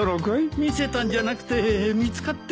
見せたんじゃなくて見つかってしまって。